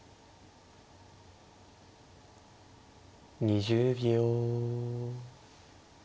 ２０秒。